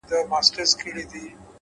مثبت لید افقونه پراخوي’